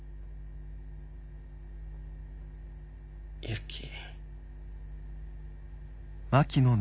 ユキ。